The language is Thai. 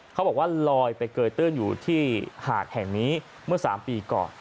เขาบอกว่าลอยไปเกยตื้นอยู่ที่หาดแห่งนี้เมื่อ๓ปีก่อน